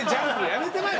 やめてまえ！